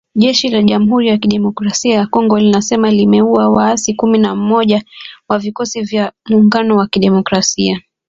Jeshi la Jamhuri ya kidemokrasia ya Kongo linasema limeua waasi kumi na moja wa Vikosi vya Muungano wa Kidemokrasia.